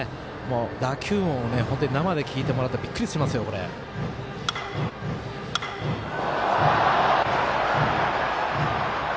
打球音を生で聞いてもらったらびっくりしますよ、本当に。